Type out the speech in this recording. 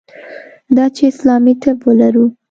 دا چې اسلامي طب ولرو.